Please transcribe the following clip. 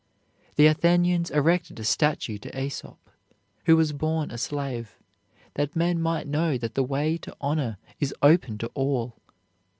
The Athenians erected a statue to Aesop, who was born a slave, that men might know that the way to honor is open to all.